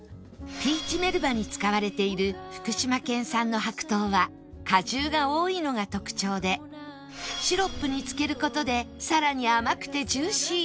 ピーチメルバに使われている福島県産の白桃は果汁が多いのが特徴でシロップに漬ける事でさらに甘くてジューシーに